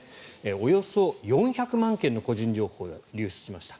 およそ４００万件の個人情報が流出しました。